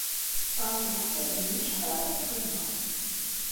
Ɣef leḥsab-nnem, acḥal ara teqqimeḍ?